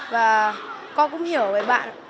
và con cũng hiểu bởi bạn